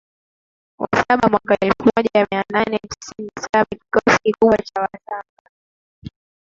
wa saba mwaka elfu moja mia nane tisini na saba kikosi kikubwa cha Wasangu